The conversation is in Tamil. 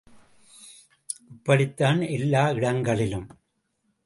இப்படித்தான் எல்லா இடங்களிலும்!